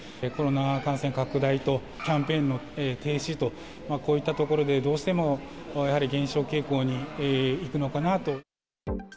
コロナ感染拡大とキャンペーンの停止と、こういったところで、どうしてもやはり減少傾向にいくのかなと。